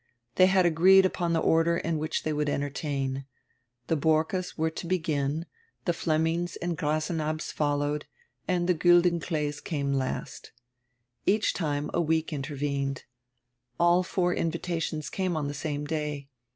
They had agreed upon the order in which they would entertain. The Borckes were to begin, the Flem mings and Grasenabbs followed, the Giildenklees came last Each time a week intervened. All four invitations came on the same day.